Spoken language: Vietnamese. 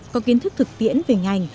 có kiến thức thực tiễn về ngành